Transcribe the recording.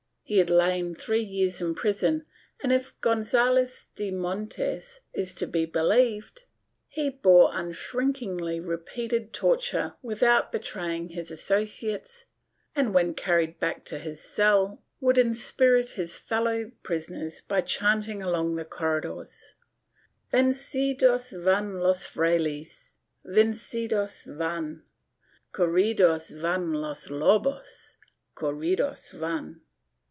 He had lain three years in prison and, if Gon zalez de Montes is to be believed, he bore unshrinkingly repeated torture without betraying his associates and, when carried back to his cell, would inspirit his fellow prisoners by chanting along the corridors Vencidos van los frayles, Vencidos van. Corridos van los lobos, Corridos van.